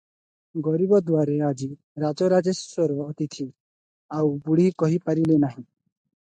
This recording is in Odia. ଗରିବ ଦୁଆରେ ଆଜି ରାଜରାଜେଶ୍ୱର ଅତିଥି- ଆଉ ବୁଢ଼ୀ କହିପାରିଲେ ନାହିଁ ।